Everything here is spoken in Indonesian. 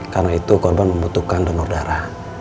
karena itu korban membutuhkan donor darah